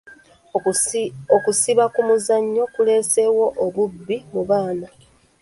Okusiba ku mizannyo kuleeseewo obubbi mu baana.